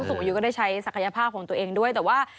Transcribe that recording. ผู้สูงอายุก็ได้ใช้ศักยภาพของตัวเองด้วย